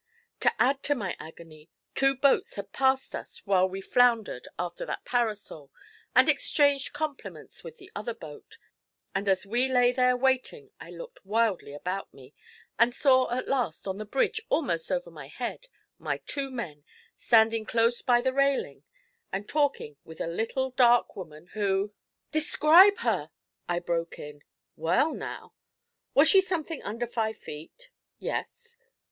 To add to my agony, two boats had passed us while we floundered after that parasol and exchanged compliments with the other boat, and as we lay there waiting I looked wildly about me, and saw at last, on the bridge almost over my head, my two men, standing close by the railing and talking with a little dark woman, who ' 'Describe her!' I broke in. 'Well, now ' 'Was she something under five feet?' 'Yes.'